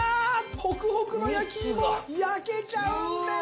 ホクホクの焼き芋焼けちゃうんです。